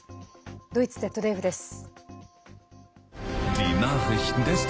ドイツＺＤＦです。